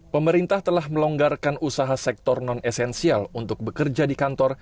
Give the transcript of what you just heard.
pemerintah telah melonggarkan usaha sektor non esensial untuk bekerja di kantor